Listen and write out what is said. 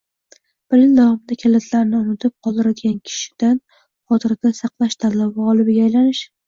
Bir yil davomida kalitlarini unutib qoldiradigan kishidan xotirada saqlash tanlovi g‘olibiga aylanish